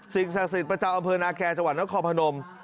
สิ่งศักดิ์สิทธิ์ประจำอำเภอนาแก่จนครพนม